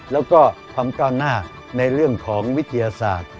แล้วก็ความก้าวหน้าในเรื่องของวิทยาศาสตร์